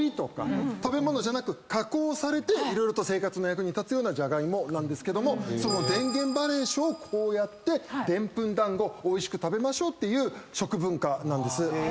食べ物じゃなく加工されて色々と生活の役に立つようなジャガイモなんですけどもそのでんげん馬鈴薯をこうやってでんぷん団子おいしく食べましょうっていう食文化なんです。